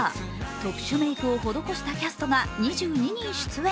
特殊メイクを施したキャストが２２人出演。